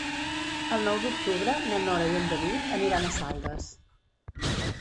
El nou d'octubre na Nora i en David aniran a Saldes.